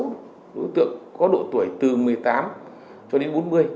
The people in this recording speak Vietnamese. tất cả các đối tượng có độ tuổi từ một mươi tám cho đến bốn mươi